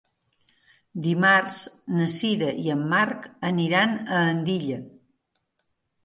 Dimarts na Sira i en Marc aniran a Andilla.